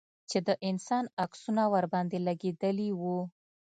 چې د انسان عکسونه ورباندې لگېدلي وو.